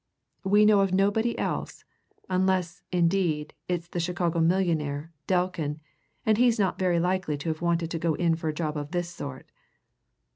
We know of nobody else unless, indeed, it's the Chicago millionaire, Delkin, and he's not very likely to have wanted to go in for a job of this sort.